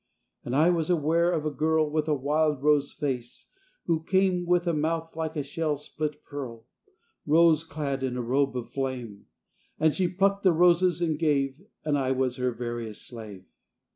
And I was aware of a girl With a wild rose face, who came, With a mouth like a shell's split pearl, Rose clad in a robe of flame; And she plucked the roses and gave, And I was her veriest slave.